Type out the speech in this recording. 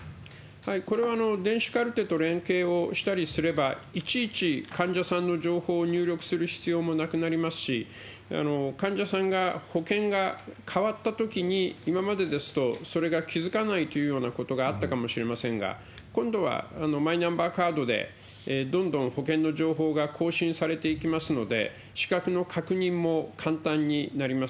これは電子カルテと連携したりすれば、いちいち患者さんの情報を入力する必要もなくなりますし、患者さんが保健が変わったときに、今までですと、それが気付かないというようなことがあったかもしれませんが、今度は、マイナンバーカードでどんどん保険の情報が更新されていきますので、資格の確認も簡単になります。